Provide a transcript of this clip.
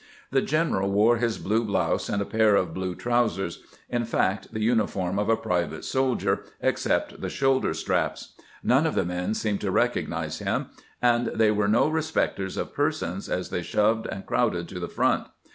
The general wore his blue blouse and a pair of blue trousers — in fact, the uniform of a private soldier, except the shoulder straps. None of the men seemed to recognize him, and they were no respecters of persons as they shoved and crowded to the front.